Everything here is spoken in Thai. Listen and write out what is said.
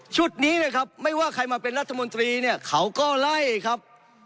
นี้นะครับไม่ว่าใครมาเป็นรัฐมนตรีเนี่ยเขาก็ไล่ครับ